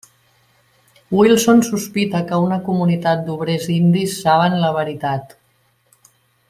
Wilson sospita que una comunitat d'obrers indis saben la veritat.